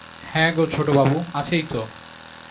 হ্যাঁগো ছোটবাবু, আছেই তো।